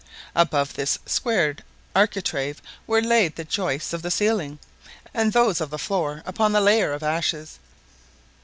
Above this squared architrave were laid the joists of the ceiling, and those of the floor upon the layer of ashes.